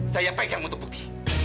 saya pegang untuk bukti